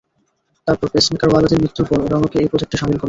তারপর, পেসমেকারওয়ালাদের মৃত্যুর পর ওরা আমাকে এই প্রজেক্টে শামিল করল।